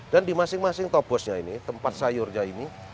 dan di masing masing tobosnya ini tempat sayurnya ini